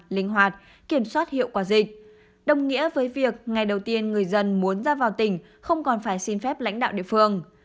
linh hoạt kiểm soát hiệu quả dịch đồng nghĩa với việc ngày đầu tiên người dân muốn ra vào tỉnh không còn phải xin phép lãnh đạo địa phương